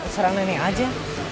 serang nene aja